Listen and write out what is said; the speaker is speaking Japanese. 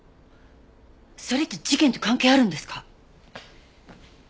それって事件と関係あるんですか？